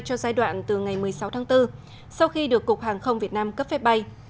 cho giai đoạn từ ngày một mươi sáu tháng bốn sau khi được cục hàng không việt nam cấp phép bay